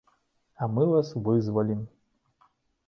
А мы вас вызвалім.